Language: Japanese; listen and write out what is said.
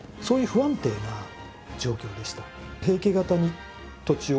そういう不安定な状況でした。